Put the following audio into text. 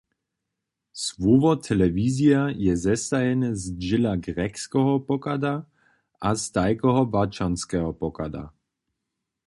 Słowo telewizija je zestajene z dźěla grjekskeho pochada a z tajkeho łaćonskeho pochada.